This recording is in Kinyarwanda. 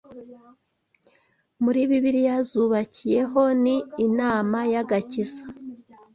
muri Bibiliya zubakiyeho ni “inama y’agakiza